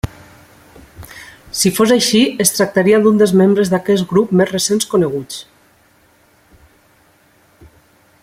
Si fos així, es tractaria d'un dels membres d'aquest grup més recents coneguts.